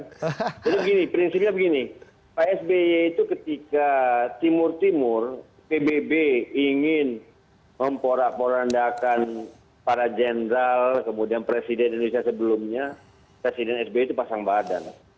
jadi begini prinsipnya begini pak sby itu ketika timur timur pbb ingin memporak porandakan para jenderal kemudian presiden indonesia sebelumnya presiden sby itu pasang badan